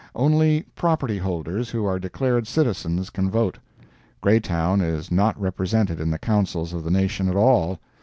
Only property holders who are declared citizens can vote. Greytown is not represented in the councils of the nation at all.